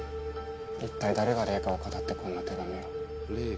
一体誰が玲香をかたってこんな手紙を。